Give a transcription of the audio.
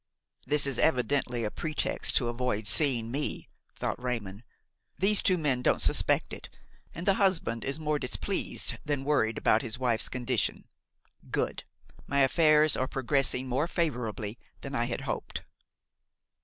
"This is evidently a pretext to avoid seeing me," thought Raymon. "These two men don't suspect it, and the husband is more displeased than worried about his wife's condition. Good! my affairs are progressing more favorably than I hoped."